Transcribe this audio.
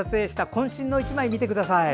こん身の１枚、見てください。